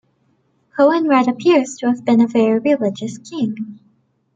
Coenred appears to have been a very religious king.